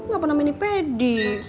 gak pernah mini pedi